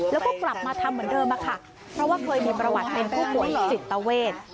แล้วก็กลับมาทำเหมือนเดิมค่ะเพราะว่าเคยมีประวัติเป็นผู้ป่วยจิตเวท